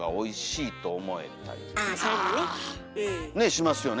しますよね。